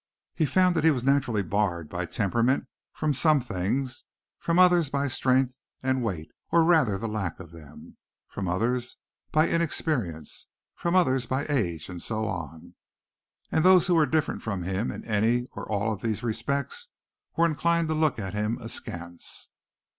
He found that he was naturally barred by temperament from some things, from others by strength and weight, or rather the lack of them; from others, by inexperience; from others, by age; and so on. And those who were different from him in any or all of these respects were inclined to look at him askance.